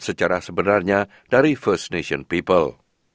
secara sebenarnya dari first nation people